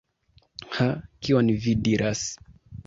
Ha, kion vi diras!